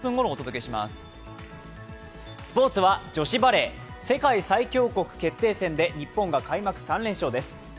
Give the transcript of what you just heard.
スポーツは女子バレー、世界最強国決定戦で日本が開幕３連勝です。